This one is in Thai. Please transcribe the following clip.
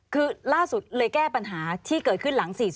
คือล่าสุดเลยแก้ปัญหาที่เกิดขึ้นหลัง๔๐